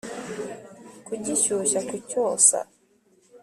kugishyushya kucyosa